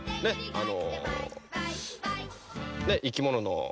あの」